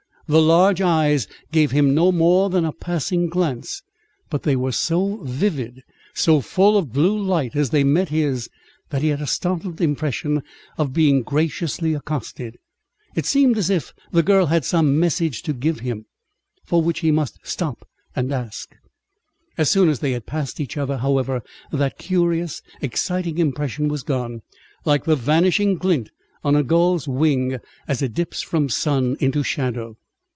The large eyes gave him no more than a passing glance, but they were so vivid, so full of blue light as they met his, that he had a startled impression of being graciously accosted. It seemed as if the girl had some message to give him, for which he must stop and ask. As soon as they had passed each other, however, that curious, exciting impression was gone, like the vanishing glint on a gull's wing as it dips from sun into shadow.